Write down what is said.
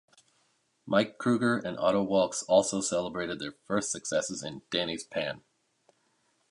Mike Krüger and Otto Waalkes also celebrated their first successes in "Danny's Pan".